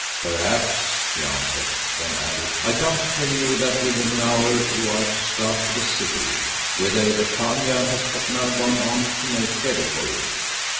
"Perhaps," he answered, then added, "I come to tell you that within an hour you are to start for the city, whither the Khania has but now gone on to make ready for you."